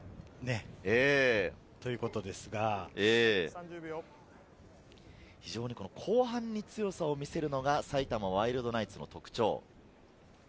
これまでのジンクスです後半に強さを見せるのが埼玉ワイルドナイツの特徴。